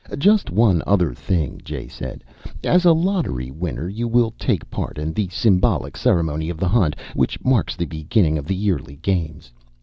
"Just one other thing," Jay said. "As a Lottery winner, you will take part in the symbolic ceremony of the Hunt, which marks the beginning of the yearly Games.